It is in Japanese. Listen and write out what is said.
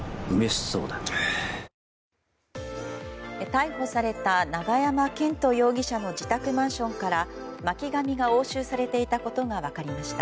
逮捕された永山絢斗容疑者の自宅マンションから巻紙が押収されていたことが分かりました。